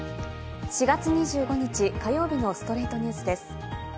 ４月２５日、火曜日の『ストレイトニュース』です。